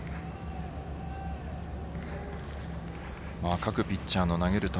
各ピッチャーの投げる球